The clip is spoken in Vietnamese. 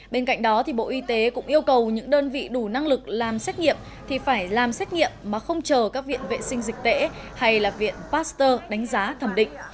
bên cạnh đó bộ y tế cũng yêu cầu những đơn vị đủ năng lực làm xét nghiệm thì phải làm xét nghiệm mà không chờ các viện vệ sinh dịch tễ hay viện pasteur đánh giá thẩm định